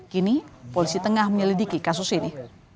kini polisi tengah menyelidiki kasus ini